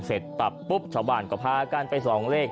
เสร็จปรับปุ๊บชาวบ้านก็พากันไปส่องเลข